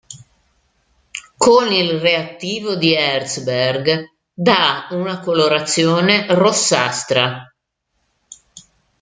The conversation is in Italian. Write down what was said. Con il reattivo di Herzberg dà una colorazione rossastra.